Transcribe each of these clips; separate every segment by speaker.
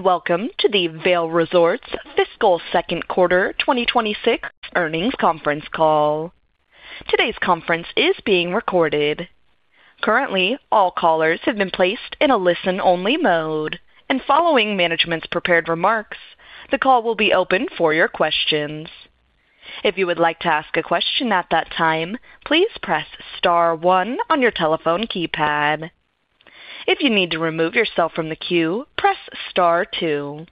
Speaker 1: Welcome to the Vail Resorts fiscal second quarter 2026 earnings conference call. Today's conference is being recorded. Currently, all callers have been placed in a listen-only mode. Following management's prepared remarks, the call will be open for your questions. If you would like to ask a question at that time, please press star one on your telephone keypad. If you need to remove yourself from the queue, press star two.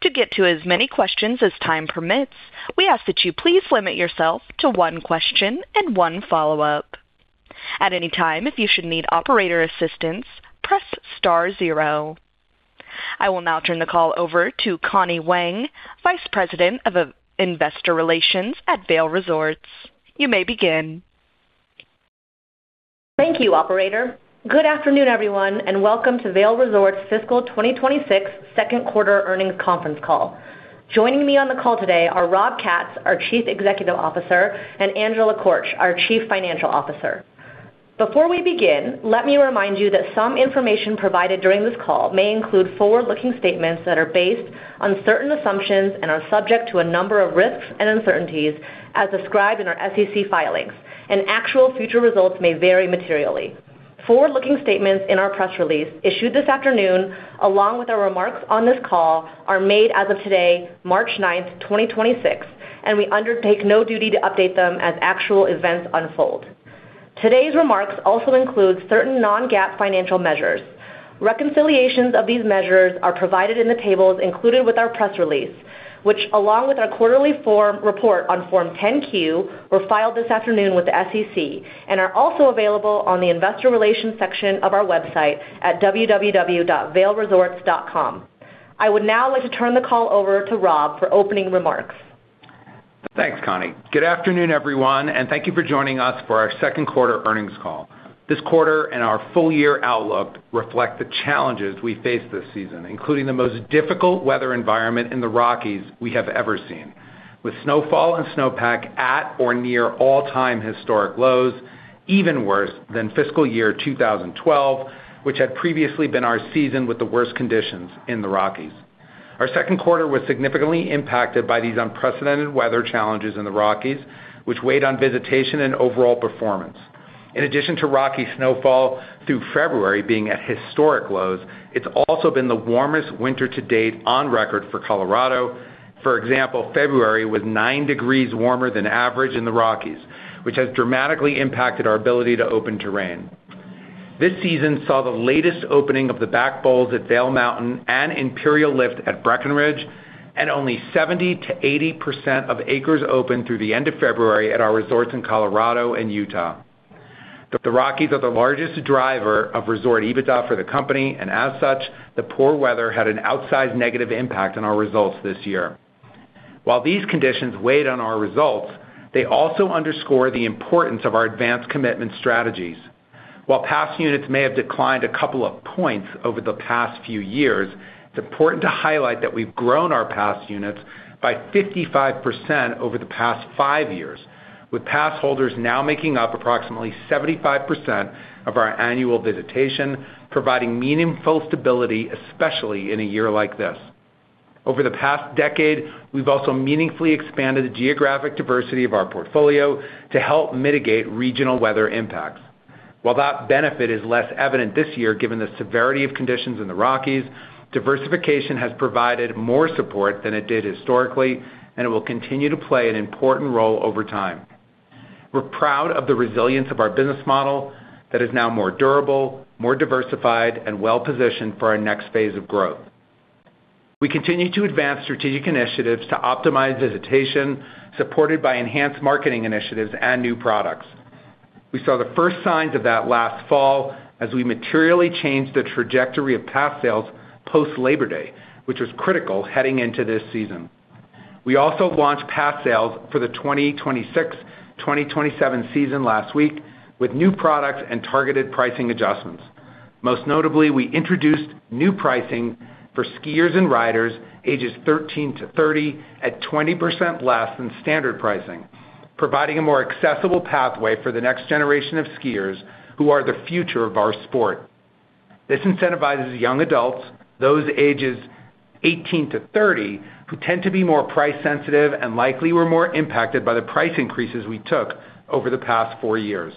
Speaker 1: To get to as many questions as time permits, we ask that you please limit yourself to one question and one follow-up. At any time, if you should need operator assistance, press star zero. I will now turn the call over to Connie Wang, Vice President of Investor Relations at Vail Resorts. You may begin.
Speaker 2: Thank you, operator. Good afternoon, everyone, and welcome to Vail Resorts' Fiscal 2026 second quarter earnings conference call. Joining me on the call today are Rob Katz, our Chief Executive Officer, and Angela Korch, our Chief Financial Officer. Before we begin, let me remind you that some information provided during this call may include forward-looking statements that are based on certain assumptions and are subject to a number of risks and uncertainties as described in our SEC filings. Actual future results may vary materially. Forward-looking statements in our press release issued this afternoon, along with our remarks on this call, are made as of today, March 9th, 2026. We undertake no duty to update them as actual events unfold. Today's remarks also include certain non-GAAP financial measures. Reconciliations of these measures are provided in the tables included with our press release, which, along with our quarterly report on Form 10-Q, were filed this afternoon with the SEC and are also available on the investor relations section of our website at www.vailresorts.com. I would now like to turn the call over to Rob for opening remarks.
Speaker 3: Thanks, Connie. Good afternoon, everyone, and thank you for joining us for our second quarter earnings call. This quarter and our full-year outlook reflect the challenges we faced this season, including the most difficult weather environment in the Rockies we have ever seen, with snowfall and snowpack at or near all-time historic lows, even worse than fiscal year 2012, which had previously been our season with the worst conditions in the Rockies. Our second quarter was significantly impacted by these unprecedented weather challenges in the Rockies, which weighed on visitation and overall performance. In addition to Rocky snowfall through February being at historic lows, it's also been the warmest winter to date on record for Colorado. For example, February was nine degrees warmer than average in the Rockies, which has dramatically impacted our ability to open terrain. This season saw the latest opening of the Back Bowls at Vail Mountain and Imperial Lift at Breckenridge, only 70% to 80% of acres open through the end of February at our resorts in Colorado and Utah. The Rockies are the largest driver of resort EBITDA for the company, as such, the poor weather had an outsized negative impact on our results this year. While these conditions weighed on our results, they also underscore the importance of our advanced commitment strategies. While pass units may have declined a couple of points over the past few years, it's important to highlight that we've grown our pass units by 55% over the past five years, with pass holders now making up approximately 75% of our annual visitation, providing meaningful stability, especially in a year like this. Over the past decade, we've also meaningfully expanded the geographic diversity of our portfolio to help mitigate regional weather impacts. While that benefit is less evident this year, given the severity of conditions in the Rockies, diversification has provided more support than it did historically, and it will continue to play an important role over time. We're proud of the resilience of our business model that is now more durable, more diversified, and well-positioned for our next phase of growth. We continue to advance strategic initiatives to optimize visitation supported by enhanced marketing initiatives and new products. We saw the first signs of that last fall as we materially changed the trajectory of pass sales post Labor Day, which was critical heading into this season. We also launched pass sales for the 2026, 2027 season last week with new products and targeted pricing adjustments. Most notably, we introduced new pricing for skiers and riders ages 13 to 30 at 20% less than standard pricing, providing a more accessible pathway for the next generation of skiers who are the future of our sport. This incentivizes young adults, those ages 18 to 30, who tend to be more price sensitive and likely were more impacted by the price increases we took over the past four years.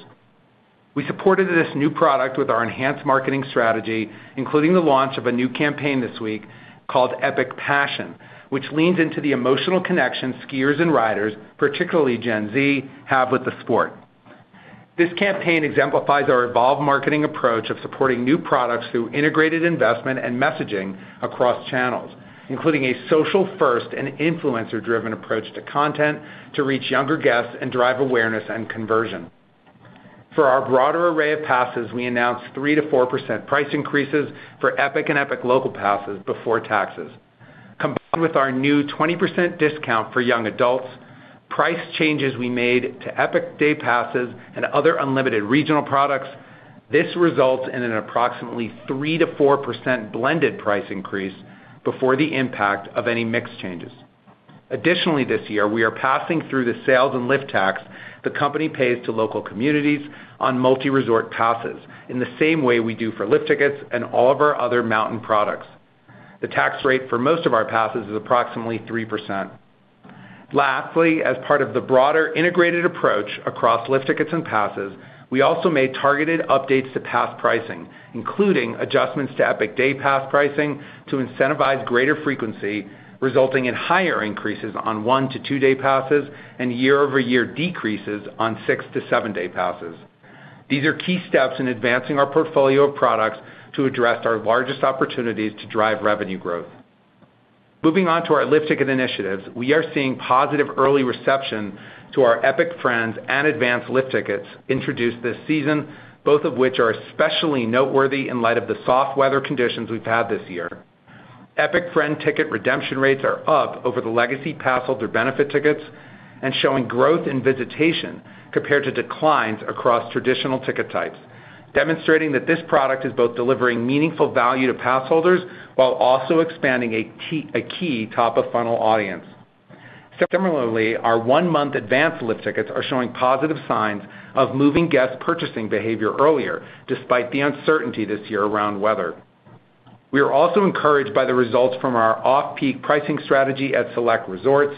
Speaker 3: We supported this new product with our enhanced marketing strategy, including the launch of a new campaign this week called Epic Passion, which leans into the emotional connection skiers and riders, particularly Gen Z, have with the sport. This campaign exemplifies our evolved marketing approach of supporting new products through integrated investment and messaging across channels, including a social first and influencer-driven approach to content to reach younger guests and drive awareness and conversion. For our broader array of passes, we announced 3%-4% price increases for Epic and Epic Local Pass before taxes. Combined with our new 20% discount for young adults, price changes we made to Epic Day Pass and other unlimited regional products, this results in an approximately 3%-4% blended price increase before the impact of any mix changes. This year, we are passing through the sales and lift tax the company pays to local communities on multi-resort passes in the same way we do for lift tickets and all of our other mountain products. The tax rate for most of our passes is approximately 3%. As part of the broader integrated approach across lift tickets and passes, we also made targeted updates to pass pricing, including adjustments to Epic Day Pass pricing to incentivize greater frequency, resulting in higher increases on one to two day passes and year-over-year decreases on six to seven day passes. These are key steps in advancing our portfolio of products to address our largest opportunities to drive revenue growth. Moving on to our lift ticket initiatives, we are seeing positive early reception to our Epic Friend Tickets and advance lift tickets introduced this season, both of which are especially noteworthy in light of the soft weather conditions we've had this year. Epic Friend ticket redemption rates are up over the legacy passholder benefit tickets and showing growth in visitation compared to declines across traditional ticket types, demonstrating that this product is both delivering meaningful value to passholders while also expanding a key top-of-funnel audience. Similarly, our one-month advance lift tickets are showing positive signs of moving guest purchasing behavior earlier despite the uncertainty this year around weather. We are also encouraged by the results from our off-peak pricing strategy at select resorts.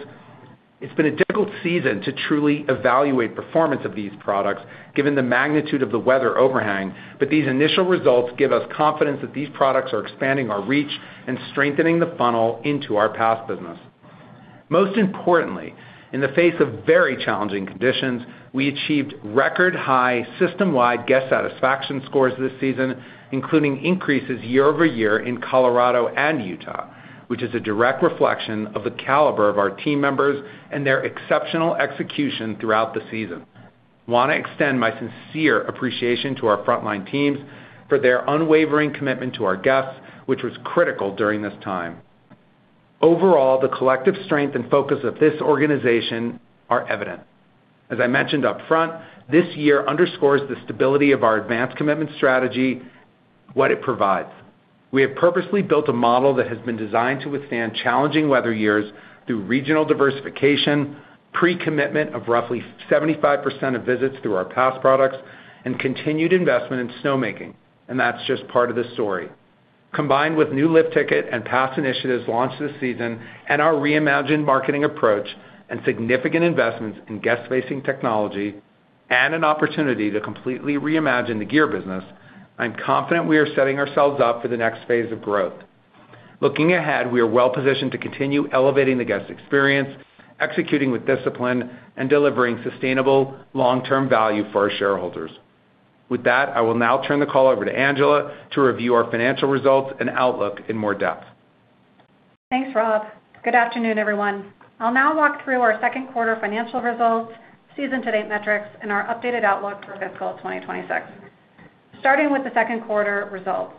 Speaker 3: It's been a difficult season to truly evaluate performance of these products given the magnitude of the weather overhang, but these initial results give us confidence that these products are expanding our reach and strengthening the funnel into our pass business. Most importantly, in the face of very challenging conditions, we achieved record-high system-wide guest satisfaction scores this season, including increases year-over-year in Colorado and Utah, which is a direct reflection of the caliber of our team members and their exceptional execution throughout the season. Wanna extend my sincere appreciation to our frontline teams for their unwavering commitment to our guests, which was critical during this time. Overall, the collective strength and focus of this organization are evident. As I mentioned upfront, this year underscores the stability of our advanced commitment strategy, what it provides. We have purposely built a model that has been designed to withstand challenging weather years through regional diversification, pre-commitment of roughly 75% of visits through our pass products, and continued investment in snowmaking, and that's just part of the story. Combined with new lift ticket and pass initiatives launched this season and our reimagined marketing approach and significant investments in guest-facing technology and an opportunity to completely reimagine the gear business, I'm confident we are setting ourselves up for the next phase of growth. Looking ahead, we are well-positioned to continue elevating the guest experience, executing with discipline, and delivering sustainable long-term value for our shareholders. With that, I will now turn the call over to Angela to review our financial results and outlook in more depth.
Speaker 4: Thanks, Rob. Good afternoon, everyone. I'll now walk through our second quarter financial results, season-to-date metrics, and our updated outlook for fiscal 2026. Starting with the second quarter results.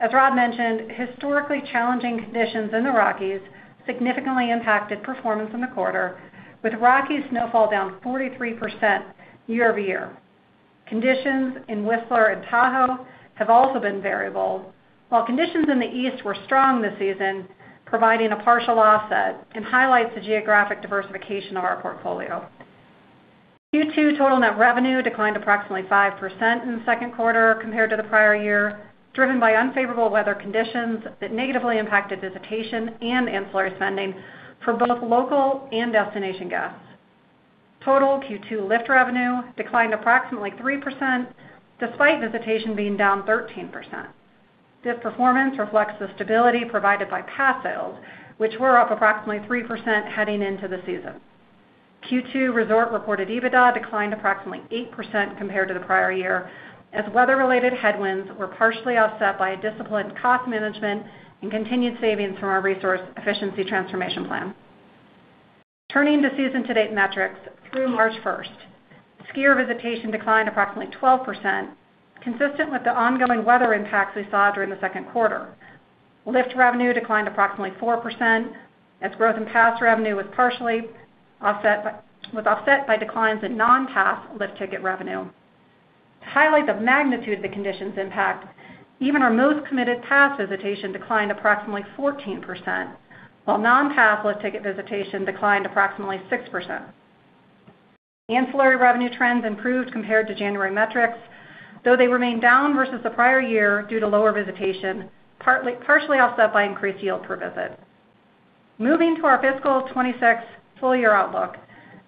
Speaker 4: As Rob mentioned, historically challenging conditions in the Rockies significantly impacted performance in the quarter, with Rockies snowfall down 43% year-over-year. Conditions in Whistler and Tahoe have also been variable, while conditions in the East were strong this season, providing a partial offset and highlights the geographic diversification of our portfolio. Q2 total net revenue declined approximately 5% in the second quarter compared to the prior year, driven by unfavorable weather conditions that negatively impacted visitation and ancillary spending for both local and destination guests. Total Q2 lift revenue declined approximately 3% despite visitation being down 13%. This performance reflects the stability provided by pass sales, which were up approximately 3% heading into the season. Q2 Resort Reported EBITDA declined approximately 8% compared to the prior year as weather-related headwinds were partially offset by a disciplined cost management and continued savings from our Resource Efficiency Transformation Plan. Turning to season-to-date metrics through March 1st. Skier visitation declined approximately 12%, consistent with the ongoing weather impacts we saw during the second quarter. Lift revenue declined approximately 4% as growth in pass revenue was offset by declines in non-pass lift ticket revenue. To highlight the magnitude of the conditions impact, even our most committed pass visitation declined approximately 14%, while non-pass lift ticket visitation declined approximately 6%. Ancillary revenue trends improved compared to January metrics, though they remain down versus the prior year due to lower visitation, partially offset by increased yield per visit. Moving to our fiscal 2026 full year outlook.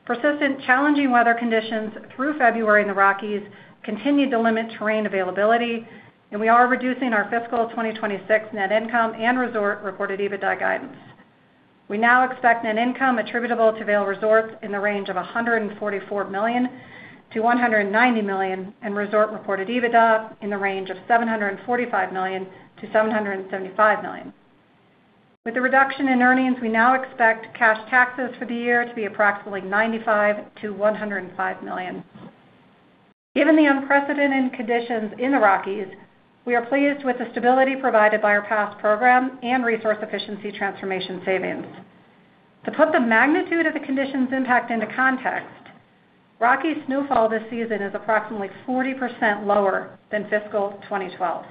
Speaker 4: Persistent challenging weather conditions through February in the Rockies continued to limit terrain availability. We are reducing our fiscal 2026 net income and Resort Reported EBITDA guidance. We now expect net income attributable to Vail Resorts in the range of $144 million-$190 million and Resort Reported EBITDA in the range of $745 million-$775 million. With the reduction in earnings, we now expect cash taxes for the year to be approximately $95 million-$105 million. Given the unprecedented conditions in the Rockies, we are pleased with the stability provided by our pass program and Resource Efficiency Transformation savings. To put the magnitude of the conditions impact into context. Rocky snowfall this season is approximately 40% lower than fiscal 2012,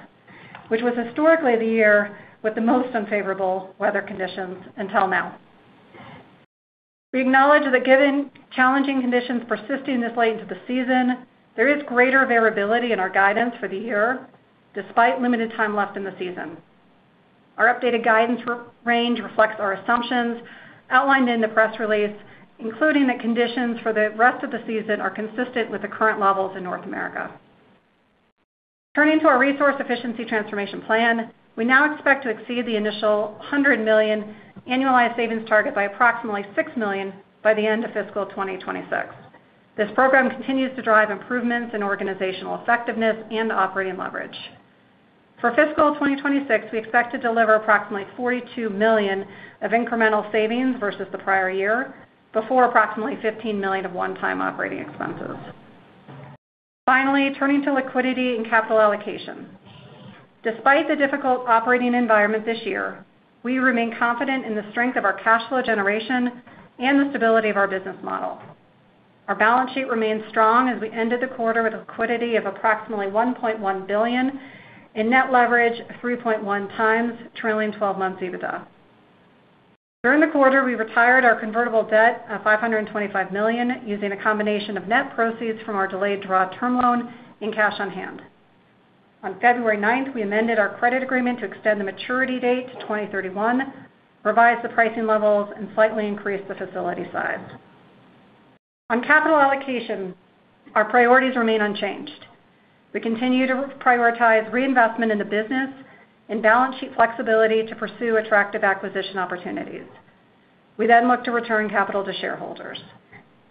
Speaker 4: which was historically the year with the most unfavorable weather conditions until now. We acknowledge that given challenging conditions persisting this late into the season, there is greater variability in our guidance for the year despite limited time left in the season. Our updated guidance range reflects our assumptions outlined in the press release, including the conditions for the rest of the season are consistent with the current levels in North America. Turning to our Resource Efficiency Transformation Plan, we now expect to exceed the initial $100 million annualized savings target by approximately $6 million by the end of fiscal 2026. This program continues to drive improvements in organizational effectiveness and operating leverage. For fiscal 2026, we expect to deliver approximately $42 million of incremental savings versus the prior year, before approximately $15 million of one-time operating expenses. Turning to liquidity and capital allocation. Despite the difficult operating environment this year, we remain confident in the strength of our cash flow generation and the stability of our business model. Our balance sheet remains strong as we ended the quarter with liquidity of approximately $1.1 billion in net leverage 3.1x trailing 12 months EBITDA. During the quarter, we retired our convertible debt of $525 million using a combination of net proceeds from our delayed draw term loan and cash on hand. On February 9th, we amended our credit agreement to extend the maturity date to 2031, revised the pricing levels, and slightly increased the facility size. On capital allocation, our priorities remain unchanged. We continue to prioritize reinvestment in the business and balance sheet flexibility to pursue attractive acquisition opportunities. We look to return capital to shareholders.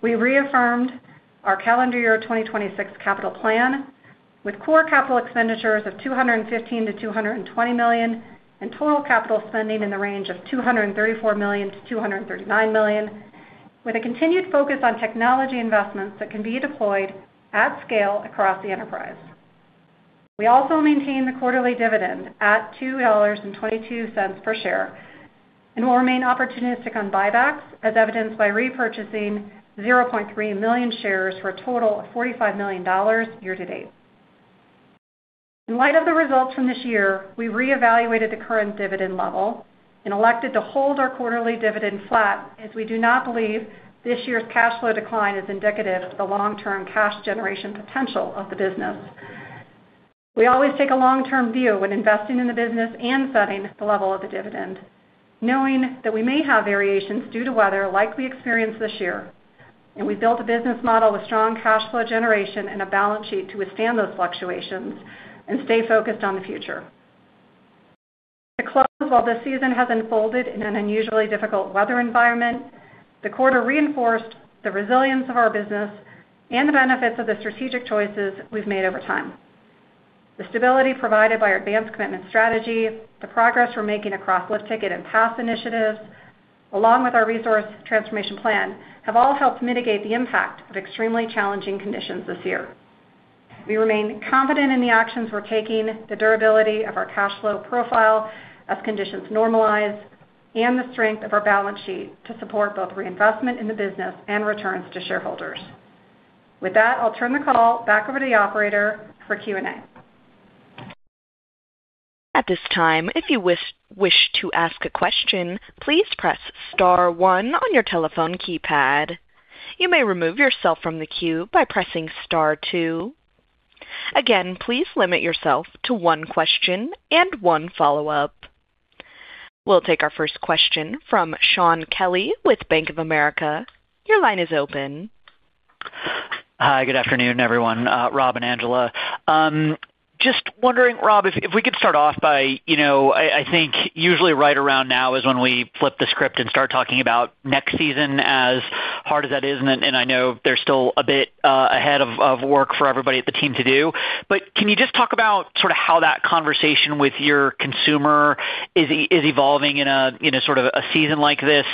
Speaker 4: We reaffirmed our calendar year 2026 capital plan with core capital expenditures of $215 million-$220 million, and total capital spending in the range of $234 million-$239 million, with a continued focus on technology investments that can be deployed at scale across the enterprise. We also maintain the quarterly dividend at $2.22 per share, and will remain opportunistic on buybacks as evidenced by repurchasing 0.3 million shares for a total of $45 million year to date. In light of the results from this year, we reevaluated the current dividend level and elected to hold our quarterly dividend flat as we do not believe this year's cash flow decline is indicative of the long-term cash generation potential of the business. We always take a long-term view when investing in the business and setting the level of the dividend, knowing that we may have variations due to weather like we experienced this year. We built a business model with strong cash flow generation and a balance sheet to withstand those fluctuations and stay focused on the future. To close, while this season has unfolded in an unusually difficult weather environment, the quarter reinforced the resilience of our business and the benefits of the strategic choices we've made over time. The stability provided by our advance commitment strategy, the progress we're making across lift ticket and pass initiatives, along with our resource transformation plan, have all helped mitigate the impact of extremely challenging conditions this year. We remain confident in the actions we're taking, the durability of our cash flow profile as conditions normalize, and the strength of our balance sheet to support both reinvestment in the business and returns to shareholders. With that, I'll turn the call back over to the operator for Q&A.
Speaker 1: At this time, if you wish to ask a question, please press star one on your telephone keypad. You may remove yourself from the queue by pressing star two. Again, please limit yourself to one question and one follow-up. We'll take our first question from Shaun Kelley with Bank of America. Your line is open.
Speaker 5: Hi. Good afternoon, everyone, Rob and Angela. Just wondering, Rob, if we could start off by, you know, I think usually right around now is when we flip the script and start talking about next season, as hard as that is, and I know there's still a bit ahead of work for everybody at the team to do. Can you just talk about sort of how that conversation with your consumer is evolving in a sort of a season like this?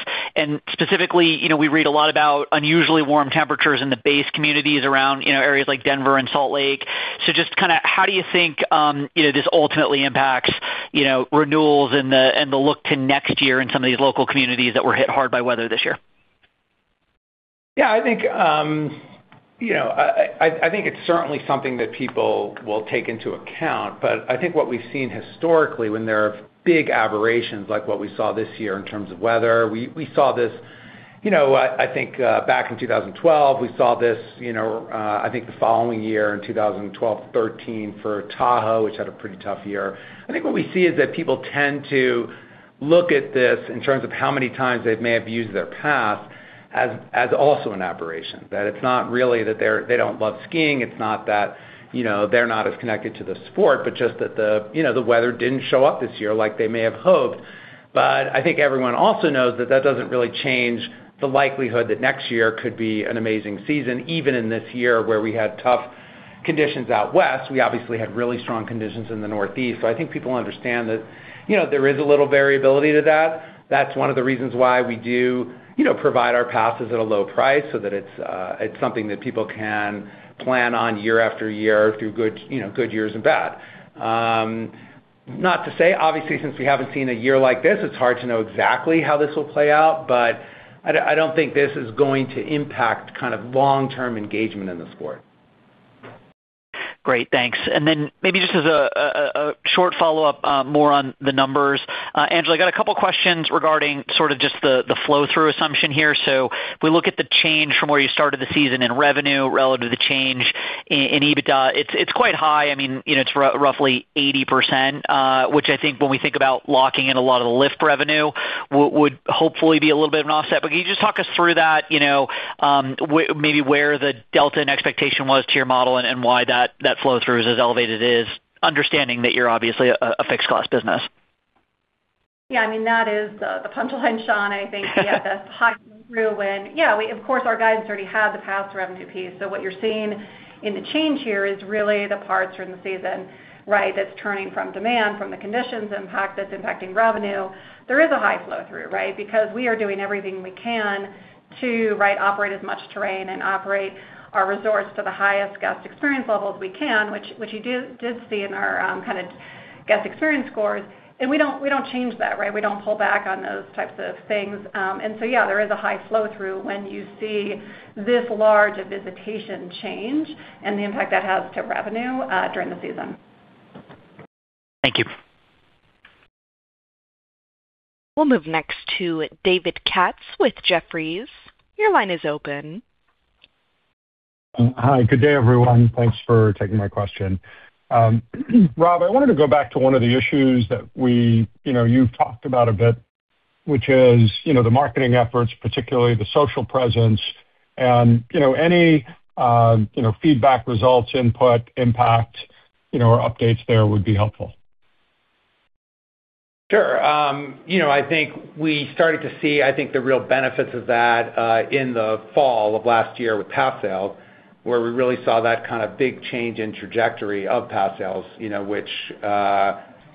Speaker 5: Specifically, you know, we read a lot about unusually warm temperatures in the base communities around, you know, areas like Denver and Salt Lake. Just kinda how do you think, you know, this ultimately impacts, you know, renewals and the look to next year in some of these local communities that were hit hard by weather this year?
Speaker 3: Yeah, I think, you know, I think it's certainly something that people will take into account. I think what we've seen historically when there are big aberrations like what we saw this year in terms of weather, we saw this, you know, I think back in 2012. We saw this, you know, I think the following year in 2012 to 2013 for Tahoe, which had a pretty tough year. I think what we see is that people tend to look at this in terms of how many times they may have used their pass as also an aberration, that it's not really that they don't love skiing. It's not that, you know, they're not as connected to the sport, but just that the, you know, the weather didn't show up this year like they may have hoped. I think everyone also knows that that doesn't really change the likelihood that next year could be an amazing season. Even in this year where we had tough conditions out west, we obviously had really strong conditions in the northeast. I think people understand that, you know, there is a little variability to that. That's one of the reasons why we do, you know, provide our passes at a low price so that it's something that people can plan on year after year through good, you know, good years and bad. Not to say, obviously, since we haven't seen a year like this, it's hard to know exactly how this will play out, but I don't think this is going to impact kind of long-term engagement in the sport.
Speaker 5: Great. Thanks. Then maybe just as a short follow-up, more on the numbers. Angela, I got a couple questions regarding sort of just the flow-through assumption here. If we look at the change from where you started the season in revenue relative to the change in EBITDA, it's quite high. I mean, you know, it's roughly 80%, which I think when we think about locking in a lot of the lift revenue, would hopefully be a little bit of an offset. Can you just talk us through that, you know, maybe where the delta and expectation was to your model and why that flow through is as elevated as understanding that you're obviously a fixed cost business?
Speaker 4: Yeah, I mean, that is the punchline, Shaun. I think that's talking through when of course, our guidance already had the past revenue piece. What you're seeing in the change here is really the parts during the season, right? That's turning from demand, from the conditions impact that's impacting revenue. There is a high flow through, right? Because we are doing everything we can to, right, operate as much terrain and operate our resorts to the highest guest experience levels we can, which you did see in our kinda guest experience scores. We don't, we don't change that, right? We don't pull back on those types of things. There is a high flow through when you see this large a visitation change and the impact that has to revenue, during the season.
Speaker 5: Thank you.
Speaker 1: We'll move next to David Katz with Jefferies. Your line is open.
Speaker 6: Hi. Good day, everyone. Thanks for taking my question. Rob, I wanted to go back to one of the issues that you know, you've talked about a bit, which is, you know, the marketing efforts, particularly the social presence, and, you know, any feedback, results, input, impact, you know, or updates there would be helpful.
Speaker 3: Sure. You know, I think we started to see, I think, the real benefits of that in the fall of last year with pass sales, where we really saw that kind of big change in trajectory of pass sales, you know, which,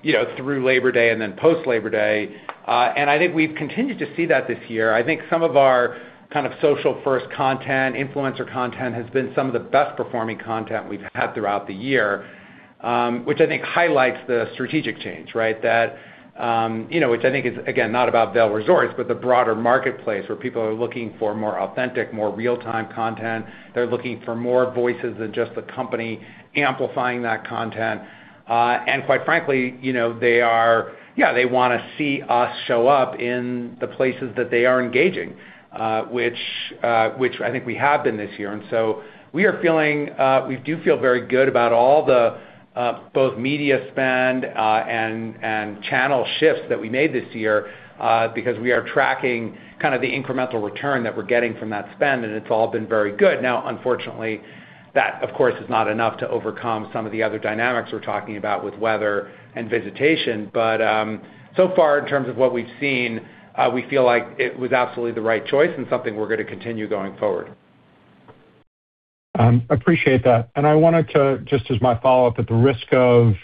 Speaker 3: you know, through Labor Day and then post Labor Day. I think we've continued to see that this year. I think some of our kind of social first content, influencer content has been some of the best performing content we've had throughout the year, which I think highlights the strategic change, right? That, you know, which I think is, again, not about Vail Resorts, but the broader marketplace where people are looking for more authentic, more real-time content. They're looking for more voices than just the company amplifying that content. Quite frankly, you know, they wanna see us show up in the places that they are engaging, which I think we have been this year. We are feeling we do feel very good about all the both media spend and channel shifts that we made this year because we are tracking kind of the incremental return that we're getting from that spend, and it's all been very good. Now, unfortunately, that, of course, is not enough to overcome some of the other dynamics we're talking about with weather and visitation. So far, in terms of what we've seen, we feel like it was absolutely the right choice and something we're gonna continue going forward.
Speaker 6: Appreciate that. I wanted to, just as my follow-up, at the risk of,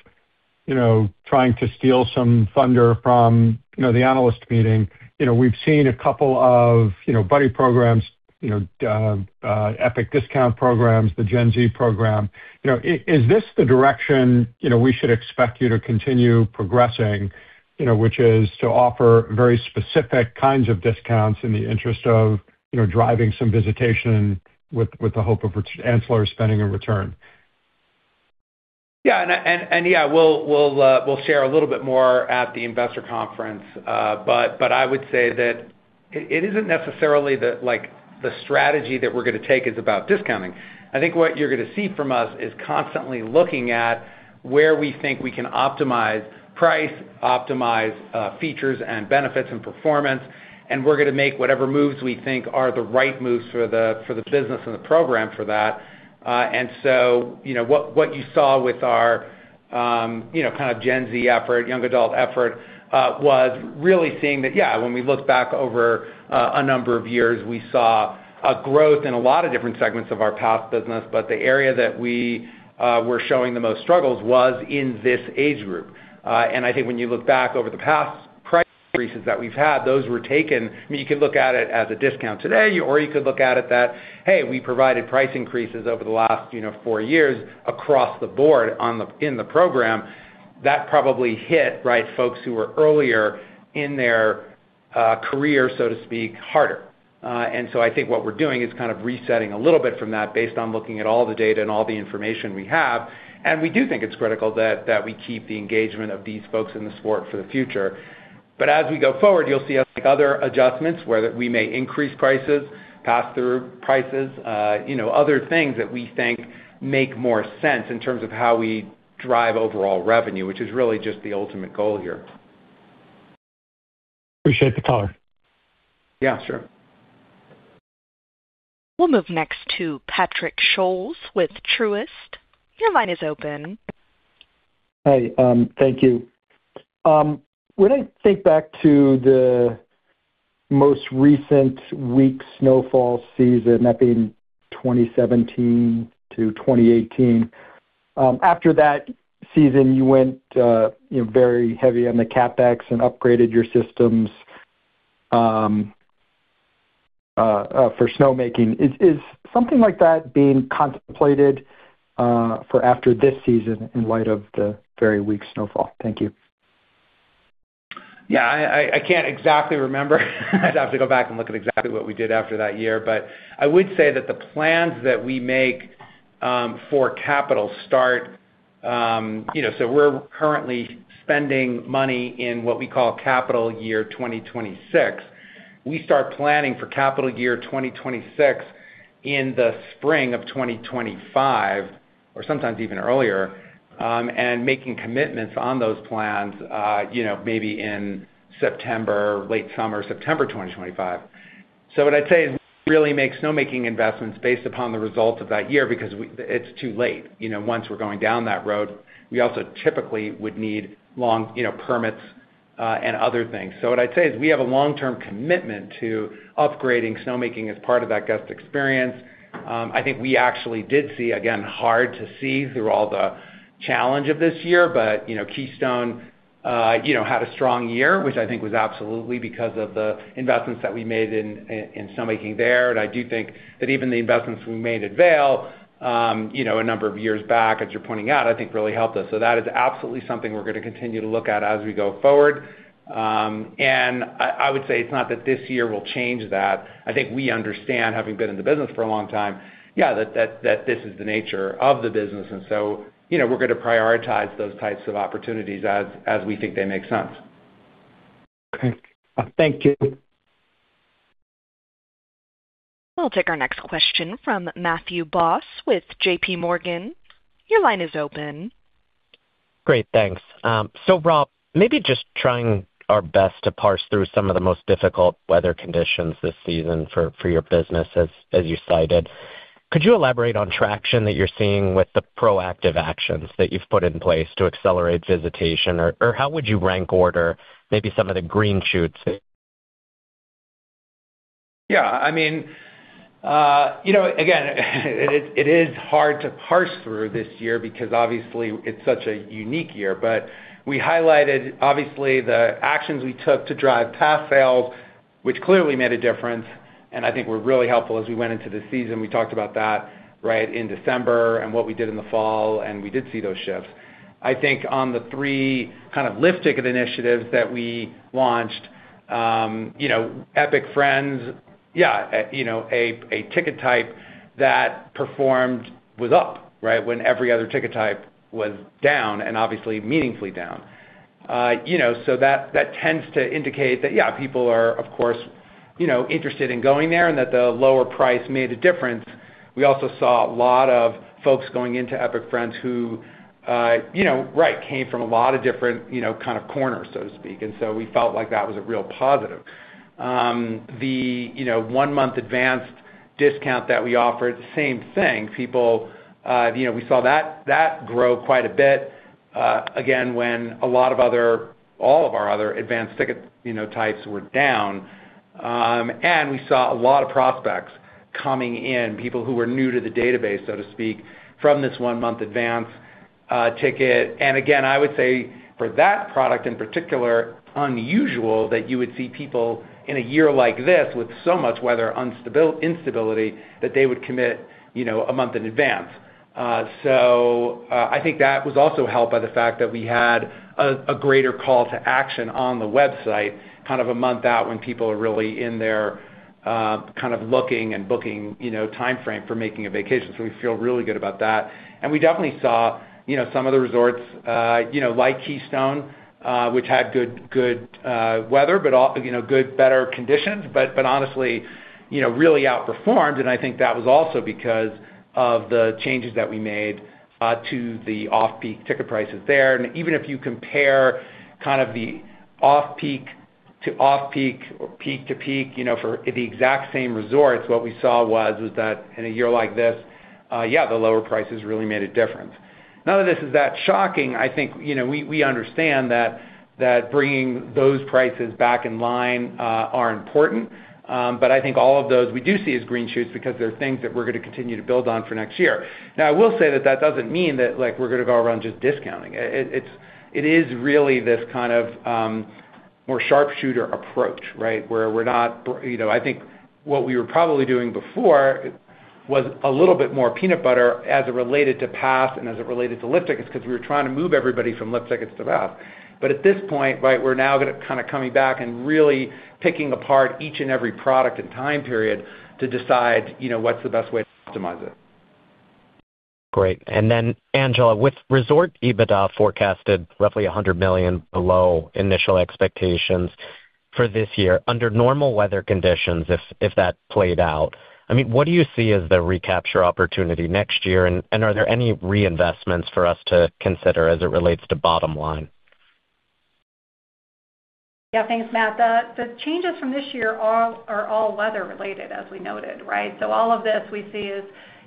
Speaker 6: you know, trying to steal some thunder from, you know, the analyst meeting. You know, we've seen a couple of, you know, buddy programs, you know, Epic discount programs, the Gen Z program. You know, is this the direction, you know, we should expect you to continue progressing, you know, which is to offer very specific kinds of discounts in the interest of, you know, driving some visitation with the hope of ancillary spending and return?
Speaker 3: Yeah, we'll share a little bit more at the investor conference. I would say that it isn't necessarily that, like, the strategy that we're gonna take is about discounting. I think what you're gonna see from us is constantly looking at where we think we can optimize price, optimize features and benefits and performance, and we're gonna make whatever moves we think are the right moves for the business and the program for that. You know, what you saw with our, you know, kind of Gen Z effort, young adult effort, was really seeing that, yeah, when we looked back over a number of years, we saw a growth in a lot of different segments of our pass business. The area that we were showing the most struggles was in this age group. I think when you look back over the past price increases that we've had, those were taken. I mean, you could look at it as a discount today, or you could look at it that, hey, we provided price increases over the last, you know, four years across the board in the program. That probably hit, right, folks who were earlier in their career, so to speak, harder. So I think what we're doing is kind of resetting a little bit from that based on looking at all the data and all the information we have. We do think it's critical that we keep the engagement of these folks in the sport for the future. As we go forward, you'll see us make other adjustments where we may increase prices, pass through prices, you know, other things that we think make more sense in terms of how we drive overall revenue, which is really just the ultimate goal here.
Speaker 6: Appreciate the color.
Speaker 3: Yeah, sure.
Speaker 1: We'll move next to Patrick Scholes with Truist. Your line is open.
Speaker 7: Hi. Thank you. When I think back to the most recent weak snowfall season, that being 2017 to 2018. After that season, you went, you know, very heavy on the CapEx and upgraded your systems for snowmaking. Is something like that being contemplated for after this season in light of the very weak snowfall? Thank you.
Speaker 3: Yeah, I can't exactly remember. I'd have to go back and look at exactly what we did after that year. I would say that the plans that we make for capital start. We're currently spending money in what we call capital year 2026. We start planning for capital year 2026 in the spring of 2025, or sometimes even earlier, and making commitments on those plans, maybe in September, late summer, September 2025. What I'd say is really make snowmaking investments based upon the results of that year because it's too late. Once we're going down that road, we also typically would need long permits and other things. What I'd say is we have a long-term commitment to upgrading snowmaking as part of that guest experience. I think we actually did see, again, hard to see through all the challenge of this year. you know, Keystone, you know, had a strong year, which I think was absolutely because of the investments that we made in snowmaking there. I do think that even the investments we made at Vail, you know, a number of years back, as you're pointing out, I think really helped us. That is absolutely something we're gonna continue to look at as we go forward. I would say it's not that this year will change that. I think we understand, having been in the business for a long time, that this is the nature of the business. you know, we're gonna prioritize those types of opportunities as we think they make sense.
Speaker 7: Okay. Thank you.
Speaker 1: We'll take our next question from Matthew Boss with JPMorgan. Your line is open.
Speaker 8: Great, thanks. Rob, maybe just trying our best to parse through some of the most difficult weather conditions this season for your business as you cited. Could you elaborate on traction that you're seeing with the proactive actions that you've put in place to accelerate visitation? How would you rank order maybe some of the green shoots?
Speaker 3: Yeah, I mean, you know, again, it is, it is hard to parse through this year because obviously it's such a unique year. We highlighted obviously the actions we took to drive pass sales, which clearly made a difference, and I think were really helpful as we went into the season. We talked about that, right, in December and what we did in the fall, and we did see those shifts. I think on the three kind of lift ticket initiatives that we launched, you know, Epic Friends. Yeah, you know, a ticket type that performed was up, right? When every other ticket type was down and obviously meaningfully down. You know, that tends to indicate that, yeah, people are of course, you know, interested in going there and that the lower price made a difference. We also saw a lot of folks going into Epic Friends who, you know, right, came from a lot of different, you know, kind of corners, so to speak. We felt like that was a real positive. The, you know, one month advanced discount that we offered, same thing. People, you know, we saw that grow quite a bit, again, when all of our other advanced ticket, you know, types were down. We saw a lot of prospects coming in, people who were new to the database, so to speak, from this one month advance ticket. Again, I would say for that product in particular, unusual that you would see people in a year like this with so much weather instability that they would commit, you know, a month in advance. I think that was also helped by the fact that we had a greater call to action on the website, kind of a month out when people are really in their kind of looking and booking, you know, timeframe for making a vacation. We feel really good about that. We definitely saw, you know, some of the resorts, you know, like Keystone, which had good weather, but, you know, good, better conditions, but honestly, you know, really outperformed. I think that was also because of the changes that we made to the off-peak ticket prices there. Even if you compare kind of the off-peak to off-peak or peak to peak, you know, for the exact same resorts, what we saw was that in a year like this, yeah, the lower prices really made a difference. None of this is that shocking. I think, you know, we understand that bringing those prices back in line are important. I think all of those we do see as green shoots because they're things that we're gonna continue to build on for next year. Now, I will say that that doesn't mean that, like, we're gonna go around just discounting. It is really this kind of more sharpshooter approach, right? Where we're not, you know...I think what we were probably doing before was a little bit more peanut butter as it related to Pass and as it related to lift tickets, 'cause we were trying to move everybody from lift tickets to Pass. At this point, right, we're now gonna kinda coming back and really picking apart each and every product and time period to decide, you know, what's the best way to customize it.
Speaker 8: Great. Angela, with resort EBITDA forecasted roughly $100 million below initial expectations for this year, under normal weather conditions if that played out, I mean, what do you see as the recapture opportunity next year? Are there any reinvestments for us to consider as it relates to bottom line?
Speaker 4: Yeah, thanks, Matt. The changes from this year are all weather related, as we noted, right? All of this we see as,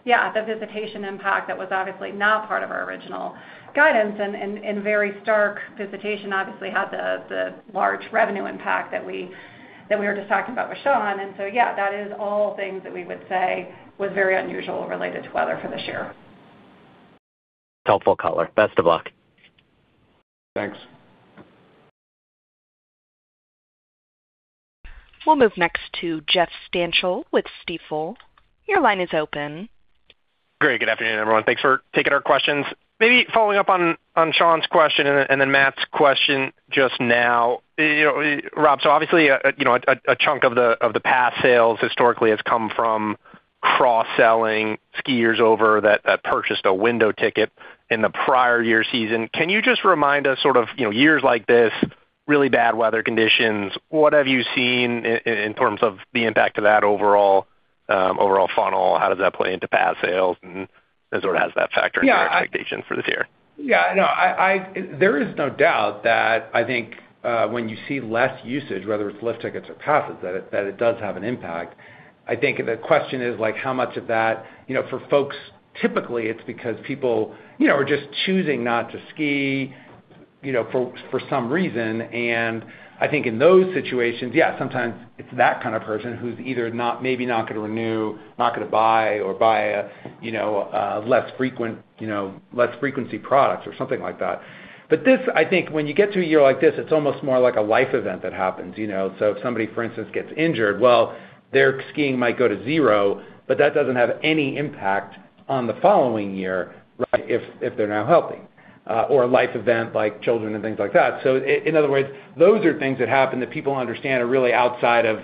Speaker 4: yeah, the visitation impact that was obviously not part of our original guidance and very stark visitation obviously had the large revenue impact that we were just talking about with Shaun. Yeah, that is all things that we would say was very unusual related to weather for this year.
Speaker 8: Helpful color. Best of luck.
Speaker 3: Thanks.
Speaker 1: We'll move next to Jeff Stantial with Stifel. Your line is open.
Speaker 9: Great. Good afternoon, everyone. Thanks for taking our questions. Maybe following up on Shaun's question and then Matt's question just now. You know, Rob, obviously a, you know, a chunk of the past sales historically has come from cross-selling skiers over that purchased a window ticket in the prior year season. Can you just remind us sort of, you know, years like this, really bad weather conditions, what have you seen in terms of the impact of that overall overall funnel? How does that play into past sales and sort of how does that factor into your expectations for this year?
Speaker 3: Yeah, no, there is no doubt that I think when you see less usage, whether it's lift tickets or passes, that it does have an impact. I think the question is like how much of that, you know, for folks, typically it's because people, you know, are just choosing not to ski, you know, for some reason. I think in those situations, yeah, sometimes it's that kind of person who's either maybe not gonna renew, not gonna buy or buy a, you know, a less frequent, you know, less frequency products or something like that. This, I think when you get to a year like this, it's almost more like a life event that happens, you know? If somebody, for instance, gets injured, well, their skiing might go to zero, but that doesn't have any impact on the following year, right, if they're now healthy. Or a life event like children and things like that. In other words, those are things that happen that people understand are really outside of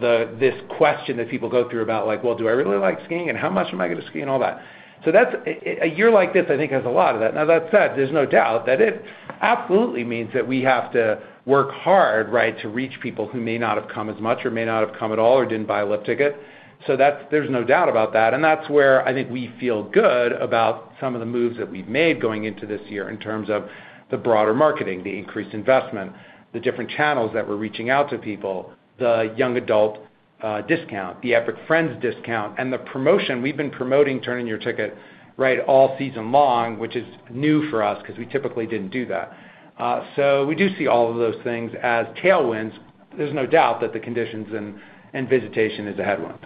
Speaker 3: this question that people go through about like, well, do I really like skiing and how much am I gonna ski and all that. That's. A year like this, I think, has a lot of that. That said, there's no doubt that it absolutely means that we have to work hard, right, to reach people who may not have come as much or may not have come at all or didn't buy a lift ticket. There's no doubt about that, and that's where I think we feel good about some of the moves that we've made going into this year in terms of the broader marketing, the increased investment, the different channels that we're reaching out to people, the young adult discount, the Epic Friends discount, and the promotion. We've been promoting turning your ticket, right, all season long, which is new for us because we typically didn't do that. We do see all of those things as tailwinds. There's no doubt that the conditions and visitation is a headwind.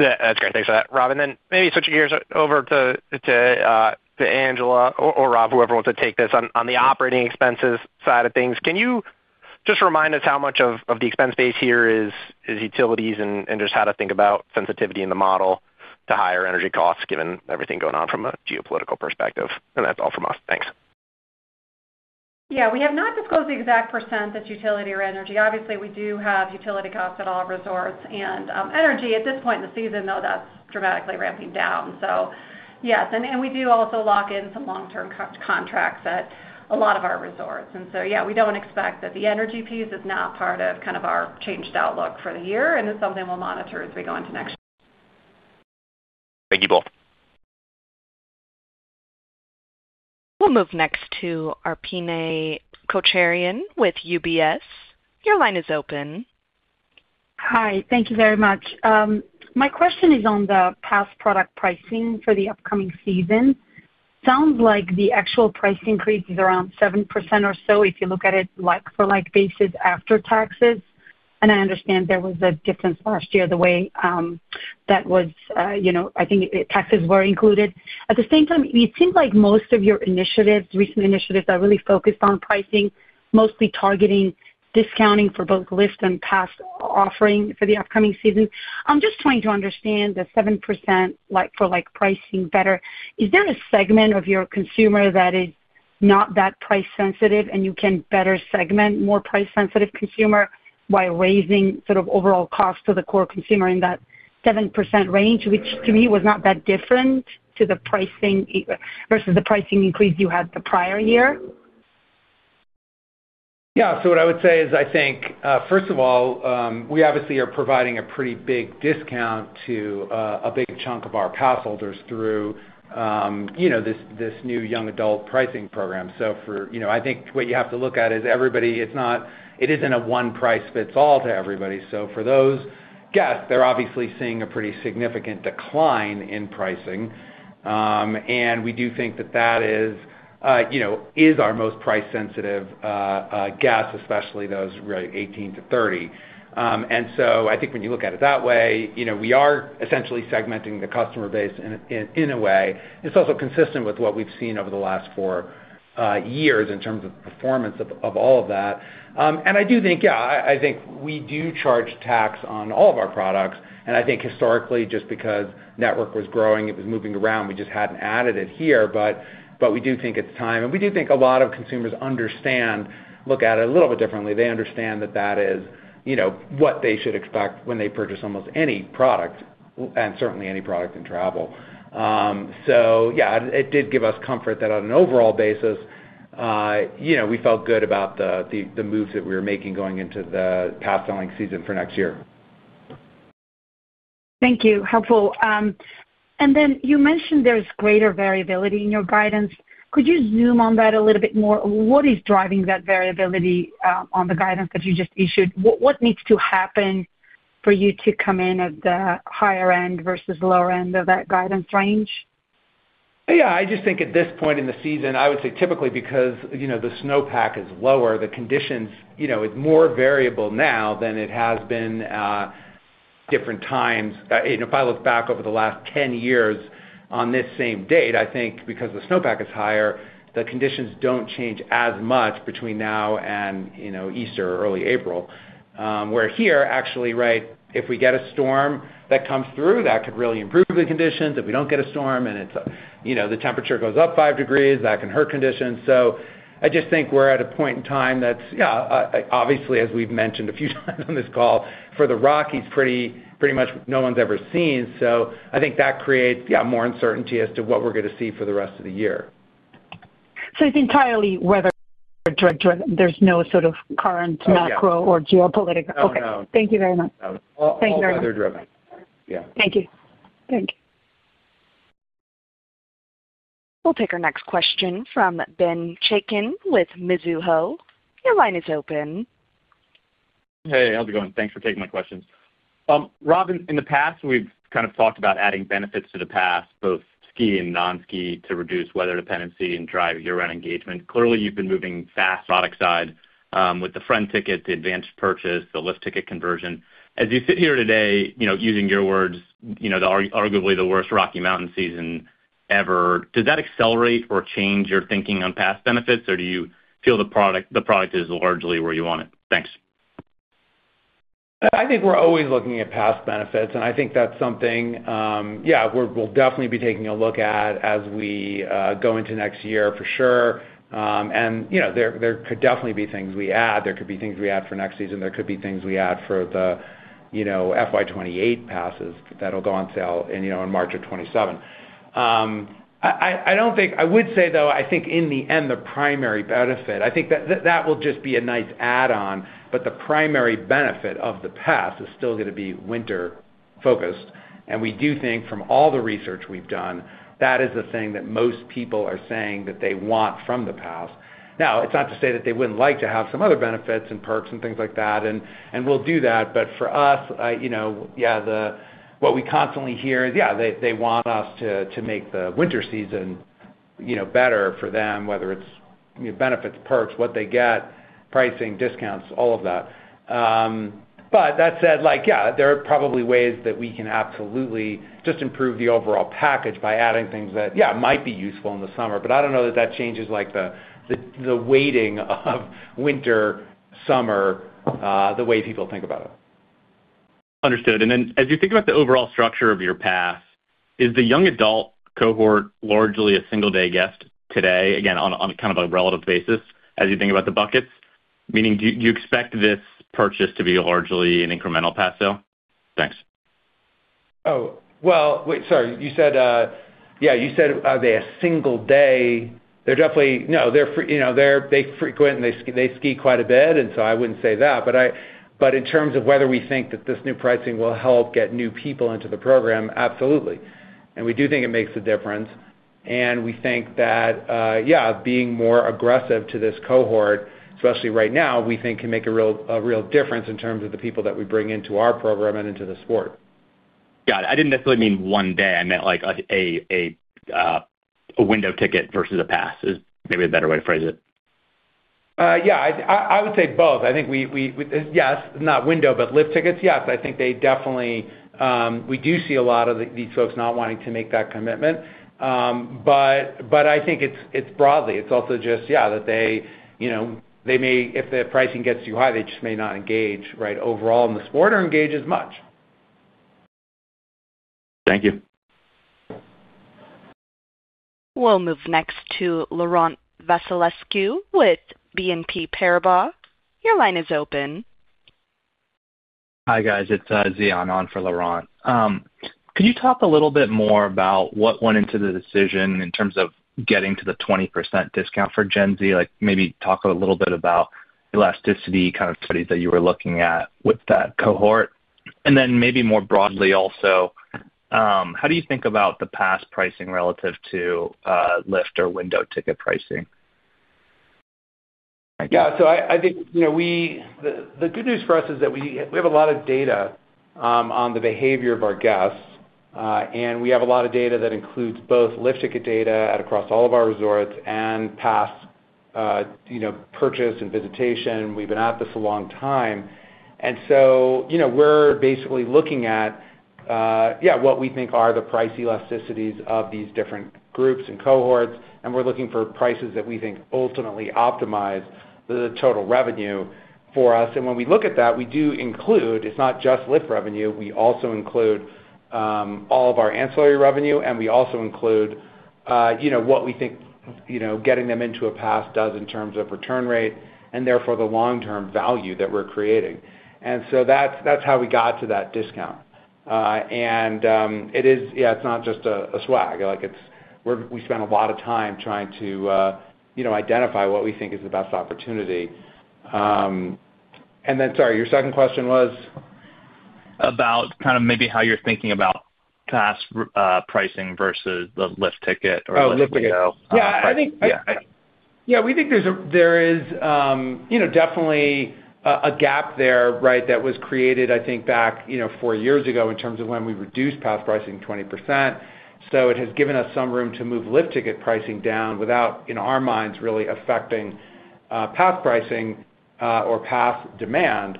Speaker 9: Yeah, that's great. Thanks for that, Rob. Maybe switching gears over to Angela or Rob, whoever wants to take this. On the operating expenses side of things, can you just remind us how much of the expense base here is utilities and just how to think about sensitivity in the model to higher energy costs given everything going on from a geopolitical perspective? That's all from us. Thanks.
Speaker 4: Yeah. We have not disclosed the exact percent that's utility or energy. Obviously, we do have utility costs at all resorts and energy at this point in the season, though, that's dramatically ramping down. Yes, and we do also lock in some long-term co-contracts at a lot of our resorts. Yeah, we don't expect that the energy piece is now part of kind of our changed outlook for the year, and it's something we'll monitor as we go into next year.
Speaker 9: Thank you both.
Speaker 1: We'll move next to Arpiné Kocharyan with UBS. Your line is open.
Speaker 10: Hi, thank you very much. My question is on the pass product pricing for the upcoming season. Sounds like the actual price increase is around 7% or so if you look at it like for like basis after taxes. I understand there was a difference last year the way, you know, I think taxes were included. At the same time, it seems like most of your initiatives, recent initiatives are really focused on pricing, mostly targeting discounting for both lift and pass offering for the upcoming season. I'm just trying to understand the 7% like for like pricing better. Is there a segment of your consumer that is not that price sensitive and you can better segment more price-sensitive consumer while raising sort of overall cost to the core consumer in that 7% range, which to me was not that different to the pricing increase you had the prior year?
Speaker 3: Yeah. What I would say is I think, first of all, we obviously are providing a pretty big discount to a big chunk of our pass holders through, you know, this new young adult pricing program. You know, I think what you have to look at is everybody, it isn't a one price fits all to everybody. For those guests, they're obviously seeing a pretty significant decline in pricing. We do think that that is, you know, is our most price sensitive guest, especially those, right, 18 to 30. I think when you look at it that way, you know, we are essentially segmenting the customer base in a way. It's also consistent with what we've seen over the last four years in terms of performance of all of that. I do think, yeah, I think we do charge tax on all of our products, and I think historically, just because network was growing, it was moving around, we just hadn't added it here. We do think it's time, and we do think a lot of consumers understand, look at it a little bit differently. They understand that that is, you know, what they should expect when they purchase almost any product and certainly any product in travel. Yeah, it did give us comfort that on an overall basis, you know, we felt good about the moves that we were making going into the pass selling season for next year.
Speaker 10: Thank you. Helpful. You mentioned there's greater variability in your guidance. Could you zoom on that a little bit more? What is driving that variability on the guidance that you just issued? What needs to happen for you to come in at the higher end versus lower end of that guidance range?
Speaker 3: Yeah. I just think at this point in the season, I would say typically because, you know, the snowpack is lower, the conditions, you know, it's more variable now than it has been, Different times. You know, if I look back over the last 10 years on this same date, I think because the snowpack is higher, the conditions don't change as much between now and, you know, Easter or early April. Where here actually, right, if we get a storm that comes through, that could really improve the conditions. If we don't get a storm and it's, you know, the temperature goes up five degrees, that can hurt conditions. I just think we're at a point in time that's, yeah, obviously, as we've mentioned a few times on this call, for the Rockies, pretty much no one's ever seen. I think that creates more uncertainty as to what we're gonna see for the rest of the year.
Speaker 10: It's entirely weather- direct-- there's no sort of current macro-.
Speaker 3: Oh, yeah.
Speaker 10: Geopolitical?
Speaker 3: Oh, no.
Speaker 10: Okay. Thank you very much.
Speaker 3: No.
Speaker 10: Thanks very much.
Speaker 3: All weather driven. Yeah.
Speaker 10: Thank you. Thank you.
Speaker 1: We'll take our next question from Ben Chaiken with Mizuho. Your line is open.
Speaker 11: Hey, how's it going? Thanks for taking my questions. Rob, in the past, we've kind of talked about adding benefits to the pass, both ski and non-ski, to reduce weather dependency and drive year-round engagement. Clearly, you've been moving fast product side, with the friend ticket, the advanced purchase, the lift ticket conversion. As you sit here today, you know, using your words, you know, arguably the worst Rocky Mountain season ever, does that accelerate or change your thinking on pass benefits, or do you feel the product is largely where you want it? Thanks.
Speaker 3: I think we're always looking at pass benefits, and I think that's something, yeah, we'll definitely be taking a look at as we go into next year for sure. You know, there could definitely be things we add. There could be things we add for next season. There could be things we add for the, you know, FY 2028 passes that'll go on sale in, you know, in March of 2027. I would say, though, I think in the end, the primary benefit, I think that will just be a nice add-on, but the primary benefit of the pass is still gonna be winter-focused. We do think from all the research we've done, that is the thing that most people are saying that they want from the pass. It's not to say that they wouldn't like to have some other benefits and perks and things like that, and we'll do that. For us, you know, what we constantly hear is, they want us to make the winter season, you know, better for them, whether it's benefits, perks, what they get, pricing, discounts, all of that. That said, like, there are probably ways that we can absolutely just improve the overall package by adding things that might be useful in the summer. I don't know that that changes like the weighting of winter, summer, the way people think about it.
Speaker 11: Understood. As you think about the overall structure of your pass, is the young adult cohort largely a single-day guest today, again, on a kind of a relative basis as you think about the buckets? Meaning, do you expect this purchase to be largely an incremental pass sale? Thanks.
Speaker 3: Oh, well, wait. Sorry. You said, yeah, you said, are they a single day? They're definitely... No. They're you know, they frequent, and they ski quite a bit, I wouldn't say that. In terms of whether we think that this new pricing will help get new people into the program, absolutely. We do think it makes a difference. We think that, yeah, being more aggressive to this cohort, especially right now, we think can make a real difference in terms of the people that we bring into our program and into the sport.
Speaker 11: Got it. I didn't necessarily mean one day. I meant like a window ticket versus a pass is maybe a better way to phrase it.
Speaker 3: Yeah. I would say both. I think yes, not window, but lift tickets, yes. I think they definitely. We do see a lot of these folks not wanting to make that commitment. I think it's broadly, it's also just, yeah, that they, you know, they may, if the pricing gets too high, they just may not engage, right, overall in the sport or engage as much.
Speaker 11: Thank you.
Speaker 1: We'll move next to Laurent Vasilescu with BNP Paribas. Your line is open.
Speaker 12: Hi, guys. It's Xian on for Laurent. Could you talk a little bit more about what went into the decision in terms of getting to the 20% discount for Gen Z? Like, maybe talk a little bit about elasticity kind of studies that you were looking at with that cohort. Maybe more broadly also, how do you think about the pass pricing relative to lift or window ticket pricing?
Speaker 3: Yeah. I think, you know, the good news for us is that we have a lot of data on the behavior of our guests, and we have a lot of data that includes both lift ticket data across all of our resorts and pass, you know, purchase and visitation. We've been at this a long time. You know, we're basically looking at, yeah, what we think are the price elasticities of these different groups and cohorts, and we're looking for prices that we think ultimately optimize the total revenue for us. When we look at that, we do include, it's not just lift revenue, we also include all of our ancillary revenue, and we also include, you know, what we think, you know, getting them into a pass does in terms of return rate and therefore the long-term value that we're creating. That's, that's how we got to that discount. It is. Yeah, it's not just a swag. Like, we spend a lot of time trying to, you know, identify what we think is the best opportunity. Sorry, your second question was?
Speaker 12: About kind of maybe how you're thinking about pass, pricing versus the lift ticket or lift window.
Speaker 3: Oh, lift ticket.
Speaker 12: Yeah.
Speaker 3: Yeah, we think there is, you know, definitely a gap there, right, that was created, I think back, you know, four years ago in terms of when we reduced pass pricing 20%. It has given us some room to move lift ticket pricing down without, in our minds, really affecting pass pricing, or pass demand.